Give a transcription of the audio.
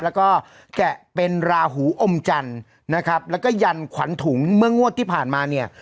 แล้วก็แกะเป็นราหูอมจันทร์นะครับแล้วก็ยันขวัญถุงเมื่องวดที่ผ่านมาเนี่ย